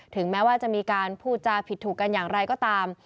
แม้ว่าจะมีการพูดจาผิดถูกกันอย่างไรก็ตาม